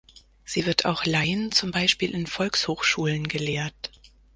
Sie wird auch Laien zum Beispiel in Volkshochschulen gelehrt.